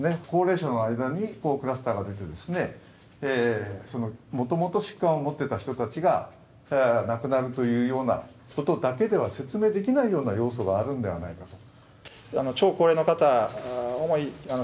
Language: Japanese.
高齢者の間にクラスターが出て、もともと疾患を持っていた人たちが亡くなるというようなことだけでは説明できないような要素があるんではないか。